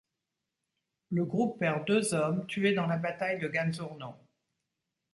Le groupe perd deux hommes, tués dans la bataille de Ganzourno.